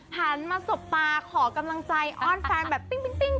หันมาสบตาขอกำลังใจอ้อนแฟนแบบปิ้ง